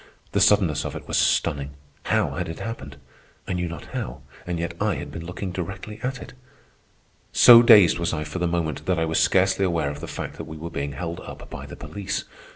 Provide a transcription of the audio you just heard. The suddenness of it was stunning. How had it happened? I knew not how, and yet I had been looking directly at it. So dazed was I for the moment that I was scarcely aware of the fact that we were being held up by the police.